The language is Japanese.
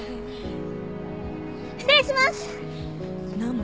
失礼します！